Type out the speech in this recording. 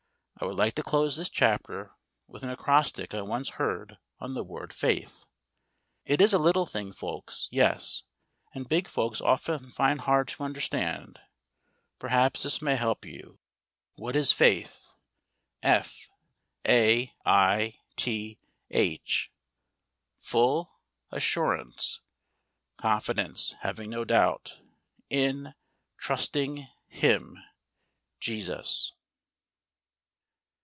I would like to close this chapter with an acrostic I once heard on the word "Faith." It is a thing little folks, yes, and big folks often find hard to understand, perhaps this may help you. What is Faith? F ull A ssurance (confidence, having no doubt) I n T rusting H im (Jesus).